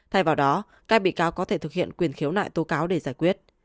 thay vào đó các bị cáo có thể thực hiện quyền khiếu nại tố cáo để giải quyết